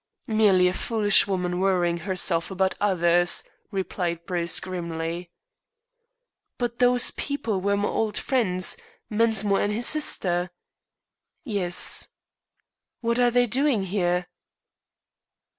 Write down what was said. "Merely a foolish woman worrying herself about others," replied Bruce grimly. "But those people were my old friends, Mensmore and his sister?" "Yes." "What are they doing here?"